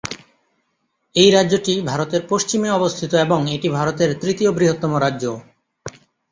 এই রাজ্যটি ভারতের পশ্চিমে অবস্থিত এবং এটি ভারতের তৃতীয় বৃহত্তম রাজ্য।